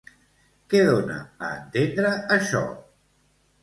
Què dona a entendre això?